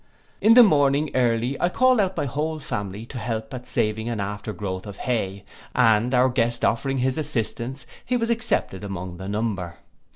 In the morning early I called out my whole family to help at saving an after growth of hay, and, our guest offering his assistance, he was accepted among the number.